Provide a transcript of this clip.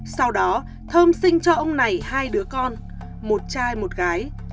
sau đó thơm sinh cho ông này hai đứa con một trai một gái